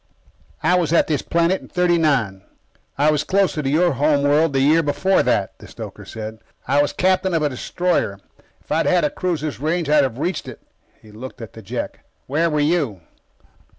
"I was at this planet in '39. I was closer to your home world the year before that," the stoker said. "I was captain of a destroyer. If I'd had a cruiser's range, I would have reached it." He looked at the Jek. "Where were you?"